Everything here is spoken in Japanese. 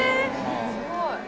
すごい。